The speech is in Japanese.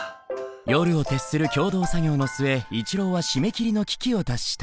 夜を徹する共同作業の末一郎は締め切りの危機を脱した。